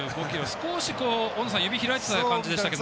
少し指が開いていた感じですけど。